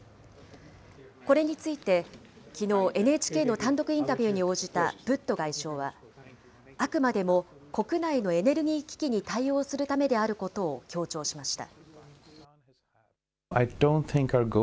これについて、きのう、ＮＨＫの単独インタビューに応じたブット外相は、あくまでも国内のエネルギー危機に対応するためであることを強調しました。